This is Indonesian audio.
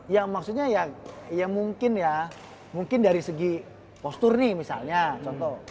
ya maksudnya ya mungkin ya mungkin dari segi postur nih misalnya contoh